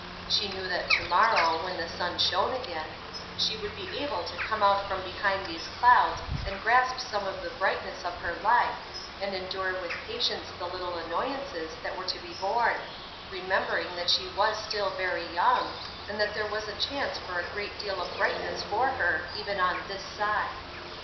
She knew that to morrow, when the sun shone again, she would be able to come out from behind these clouds and grasp some of the brightness of her life, and endure with patience the little annoyances that were to be borne; remembering that she was still very young, and that there was a chance for a great deal of brightness for her, even on this side.